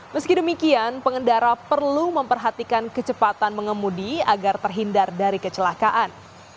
meski demikian pengendara perlu memperhatikan kecepatan mengemudi agar terhindar dari kecelakaan